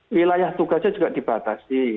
wilayah tugasnya juga dibatasi